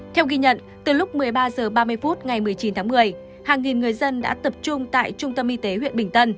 theo ghi nhận từ lúc một mươi ba h ba mươi phút ngày một mươi chín tháng một mươi hàng nghìn người dân đã tập trung tại trung tâm y tế huyện bình tân